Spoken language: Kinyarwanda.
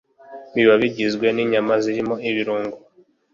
biba bigizwe ninyama zirimo ibirungo